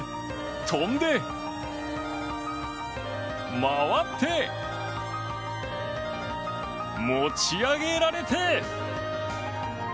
跳んで、回って持ち上げられて。